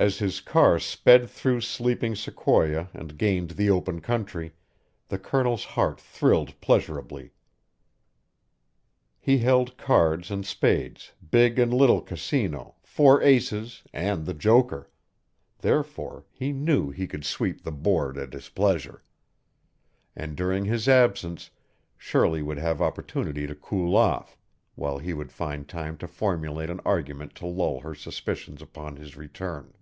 As his car sped through sleeping Sequoia and gained the open country, the Colonel's heart thrilled pleasurably. He held cards and spades, big and little casino, four aces and the joker; therefore he knew he could sweep the board at his pleasure. And during his absence Shirley would have opportunity to cool off, while he would find time to formulate an argument to lull her suspicions upon his return.